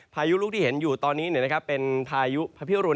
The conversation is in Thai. พายุลูกที่เห็นอยู่ตอนนี้เป็นพายุพระพิรุณ